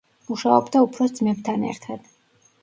მუშაობდა უფროს ძმებთან ერთად.